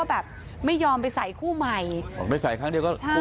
แบบไม่ยอมไปใส่คู่ใหม่อ๋อไม่ใส่ครั้งเดียวก็คุ้มนะ